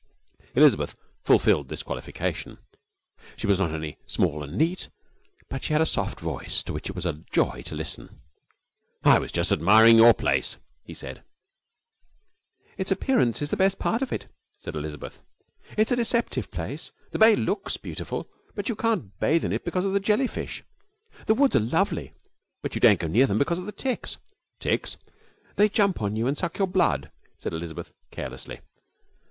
Elizabeth fulfilled this qualification. She was not only small and neat, but she had a soft voice to which it was a joy to listen. 'I was just admiring your place,' he said. 'Its appearance is the best part of it,' said Elizabeth. 'It is a deceptive place. The bay looks beautiful, but you can't bathe in it because of the jellyfish. The woods are lovely, but you daren't go near them because of the ticks.' 'Ticks?' 'They jump on you and suck your blood,' said Elizabeth, carelessly.